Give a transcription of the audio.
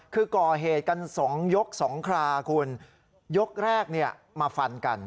คือก่อเหตุกันสองยกสองคราคุณยกแรกเนี่ยมาฟันกัน